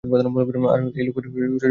আর এই লোক নদীর কিনারে!